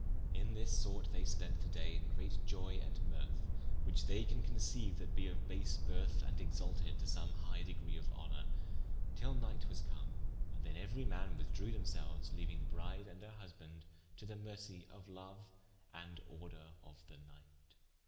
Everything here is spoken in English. In this sorte they spent the day in great ioye and mirthe (which they can conceiue, that be of base birth, and exalted to some highe degree of honour) till night was come, and then euery man withdrewe them selues, leauing the bride and her husbande to the mercie of loue, and order of the night.